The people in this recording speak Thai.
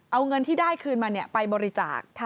เอาเงินที่ได้คืนมาไปบริจาค